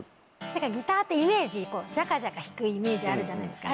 ギターってジャカジャカ弾くイメージあるじゃないですか。